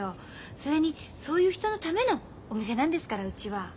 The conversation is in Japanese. それにそういう人のためのお店なんですからうちは。